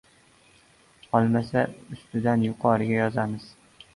olmasa, ustidan yuqoriga yozamiz!